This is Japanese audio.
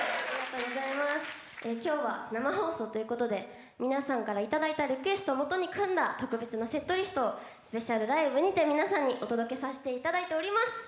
今日は生放送ということで皆さんからいただいたリクエストをもとに組んだ特別なセットリストをスペシャルライブにて皆さんにお届けさせていただいております。